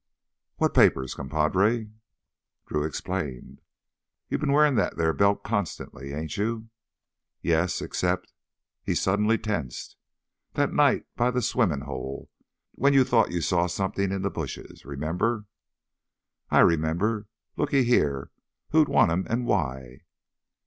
"What papers, compadrê?" Drew explained. "You've been wearin' that there belt constantly, ain't you?" "Yes. Except—" He suddenly tensed. "That night, down by the swimmin' hole, when you thought you saw somethin' in the bushes ... remember?" "I remember. Looky here, who'd want 'em—an' why?"